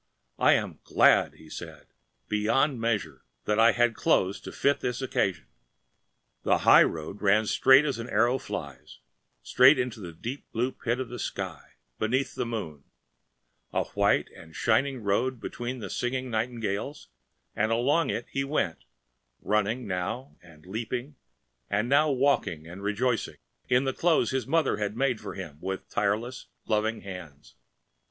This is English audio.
“I am glad,‚ÄĚ he said, “beyond measure, that I had clothes that fitted this occasion.‚ÄĚ The highroad ran straight as an arrow flies, straight into the deep blue pit of sky beneath the moon, a white and shining road between the singing nightingales, and along it he went, running now and leaping, and now walking and rejoicing, in the clothes his mother had made for him with tireless, loving hands.